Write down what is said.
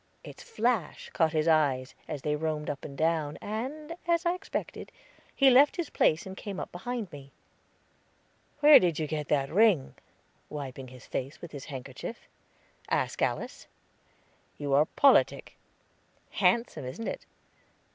Its flash caught his eyes, as they roamed up and down, and, as I expected, he left his place and came up behind me. "Where did you get that ring?" wiping his face with his handkerchief. "Ask Alice." "You are politic." "Handsome, isn't it?"